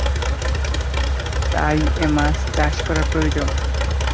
তাই এ মাছ চাষ করা প্রয়োজন।